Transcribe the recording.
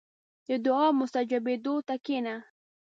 • د دعا مستجابېدو ته کښېنه.